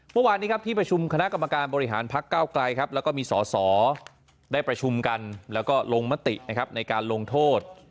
เมื่อวานนี้ครับที่ประชุมคณะกรรมการบริหารพักเก้าไกลครับแล้วก็มีสอสอได้ประชุมกันแล้วก็ลงมตินะครับในการลงโทษ